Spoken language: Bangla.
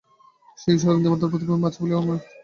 সেই ঈশ্বরের বিন্দুমাত্র প্রতিবিম্ব আছে বলিয়াই এ পৃথিবী সত্য।